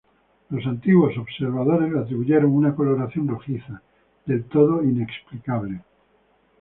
Los antiguos observadores le atribuyeron una coloración rojiza, del todo inexplicable.